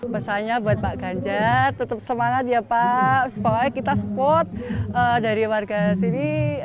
pesannya buat pak ganjar tetap semangat ya pak supaya kita support dari warga sini